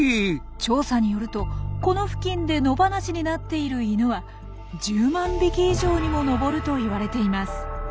調査によるとこの付近で野放しになっているイヌは１０万匹以上にも上るといわれています。